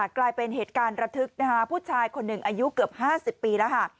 กลายเป็นเหตุการณ์ระทึกนะคะผู้ชายคนหนึ่งอายุเกือบ๕๐ปีแล้วค่ะ